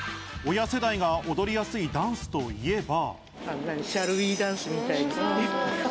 親世代が踊りやすいダンスといえば。